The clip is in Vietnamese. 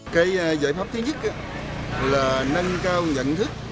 cái giải pháp thứ nhất là nâng cao nhận thức